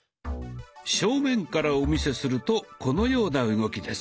正面からお見せするとこのような動きです。